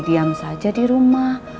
diam saja di rumah